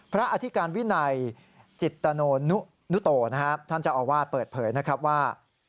พระอธิการวินัยจิตโตท่านเจ้าอาวาสเปิดเผยนะครับว่า